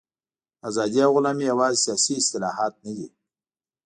ازادي او غلامي یوازې سیاسي اصطلاحات نه دي.